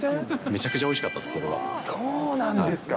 めちゃくちゃおいしかったでそうなんですか。